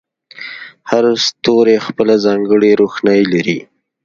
هر ستوری خپله ځانګړې روښنایي لري.